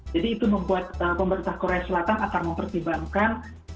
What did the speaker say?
jadi itu membuat pemerintah korea selatan akan mempertimbangkan